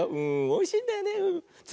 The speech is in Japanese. おいしいんだよね。